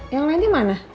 yang lain dimana